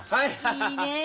いいねえ。